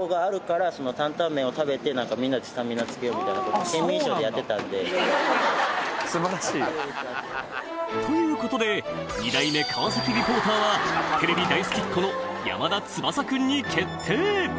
タンタンメン？ということで２代目川崎リポーターはテレビ大好きっ子の山田翼くんに決定！